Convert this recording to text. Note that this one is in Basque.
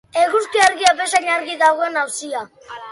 Eguzki argia bezain argi dagoen auzia.